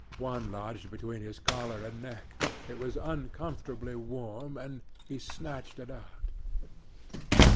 One lodged between his collar and neck; it was uncomfortably warm and he snatched it out.